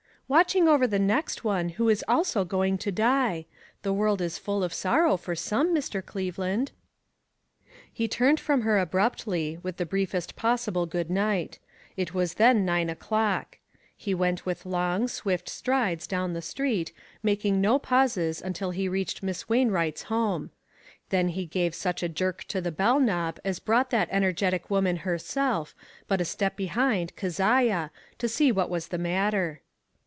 " Watching over the next one, who is also going to die. The world is full of sorrow for some, Mr. Cleveland." He turned from her abruptly, with the briefest possible good night. It was then nine o'clock. He went with long, swift strides down the street, making no pauses until he reached Miss Wainwright's home. Then he gave such a jerk to the bell knob as brought that energetic woman herself, but a step behind Keziah, to see what was the matter.